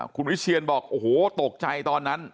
คุณวิเชียนบอกโอ้โหตกใจตอนนั้น